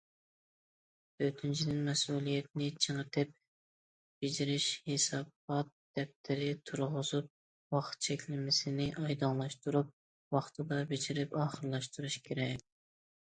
تۆتىنچىدىن، مەسئۇلىيەتنى چىڭىتىپ، بېجىرىش ھېسابات دەپتىرى تۇرغۇزۇپ، ۋاقىت چەكلىمىسىنى ئايدىڭلاشتۇرۇپ، ۋاقتىدا بېجىرىپ ئاخىرلاشتۇرۇش كېرەك.